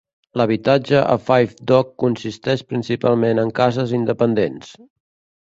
L'habitatge a Five Dock consisteix principalment en cases independents.